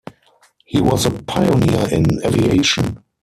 He was a pioneer in aviation.